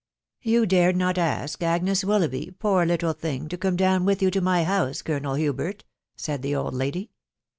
0 " You dared not ask Agnes Willoughby, poor little thing, to come down with you to my house, Colonel Hubert ?" said the old lady.